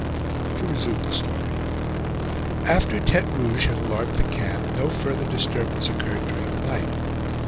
To resume the story: After Tete Rouge had alarmed the camp, no further disturbance occurred during the night.